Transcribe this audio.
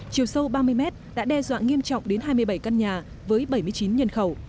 chiều sâu ba mươi mét đã đe dọa nghiêm trọng đến hai mươi bảy căn nhà với bảy mươi chín nhân khẩu